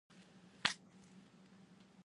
Sedepa jalan kemuka, setelempap jalan kebelakang